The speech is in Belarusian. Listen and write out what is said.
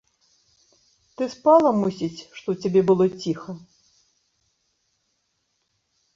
Ты спала, мусіць, што ў цябе было ціха?